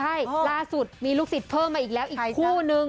ใช่ล่าสุดมีลูกศิษย์เพิ่มมาอีกแล้วอีกคู่นึง